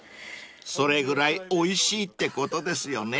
［それぐらいおいしいってことですよね］